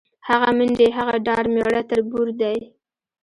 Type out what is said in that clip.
هغه منډې، هغه ډار میړه تربور دی